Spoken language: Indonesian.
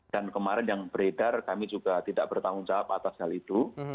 dan kemarin yang beredar kami juga tidak bertanggung jawab atas hal itu